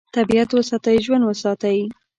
طبیعت وساتئ، ژوند وساتئ.